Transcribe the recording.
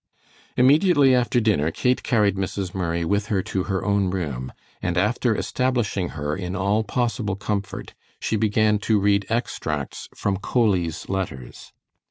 Immediately after dinner Kate carried Mrs. Murray with her to her own room, and after establishing her in all possible comfort, she began to read extracts from Coley's letters.